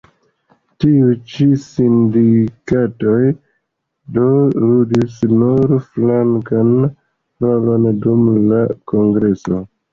Tiuj ĉi sindikatoj do ludis nur flankan rolon dum la kongreso.